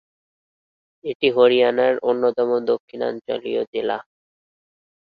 এটি হরিয়ানার অন্যতম দক্ষিণাঞ্চলীয় জেলা।